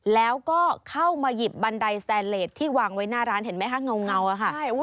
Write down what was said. แล้วก็เข้ามาหยิบบันไดสแตนเลสที่วางไว้หน้าร้านเห็นไหมคะเงาอะค่ะ